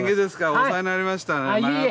お世話になりましたね。